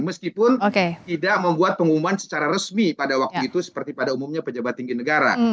meskipun tidak membuat pengumuman secara resmi pada waktu itu seperti pada umumnya pejabat tinggi negara